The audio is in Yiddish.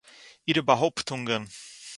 אירע באַהויפּטונגען